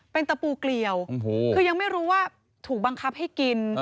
เป็นตะปูเกลียวคือยังไม่รู้ว่าถูกบังคับให้กิน